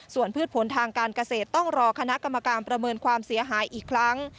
ส่วนพืชผลทางการเกษตรต้องรอคณะกรรมการประเมินความเสียหายอีกครั้ง